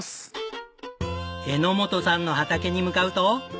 榎本さんの畑に向かうと。